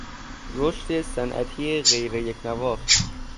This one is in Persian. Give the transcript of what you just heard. رشد صنعتی غیریکنواخت